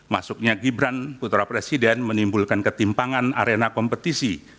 masuknya gibran putra presiden menimbulkan ketimpangan arena kompetisi